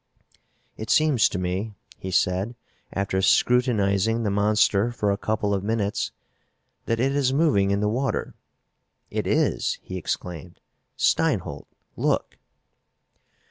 "It seems to me," he said, after scrutinizing the monster for a couple of minutes, "that it is moving in the water. It is!" he exclaimed. "Steinholt! Look!"